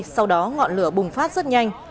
sau đó ngọn lửa bùng phát rất nhanh